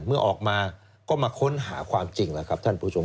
เมื่อออกมาก็มาค้นหาความจริงแล้วครับท่านผู้ชม